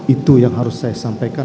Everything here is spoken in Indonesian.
itu yang harus saya sampaikan